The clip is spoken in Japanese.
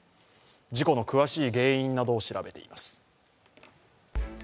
事故の詳しい原因などを調べています。